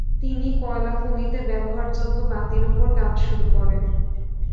তিনি কয়লাখনিতে ব্যবহারযোগ্য বাতির ওপর কাজ শুরু করেন।